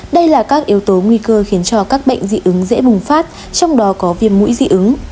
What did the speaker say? đây là các yếu tố nguy cơ khiến cho các bệnh dị ứng dễ bùng phát trong đó có viêm mũi dị ứng